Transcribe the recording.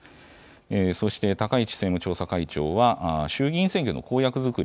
そして高市政務調査会長は衆議院選挙の公約づくり